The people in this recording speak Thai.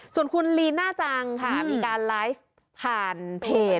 ส่วนคุณลีน่าจังค่ะมีการไลฟ์ผ่านเพจ